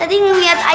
katu lagi dah